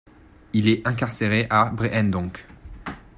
Il est incarcéré à Breendonk.